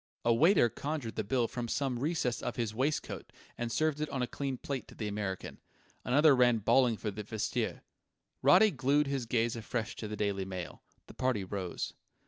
A waiter conjured the bill from some recess of his waistcoat and served it on a clean plate to the American. Another ran bawling for the vestiaire. Roddy glued his gaze afresh to the Daily Mail. The party rose.